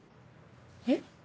えっ？